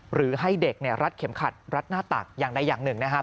หรือให้เด็กรัดเข็มขัดรัดหน้าตักอย่างใดอย่างหนึ่งนะครับ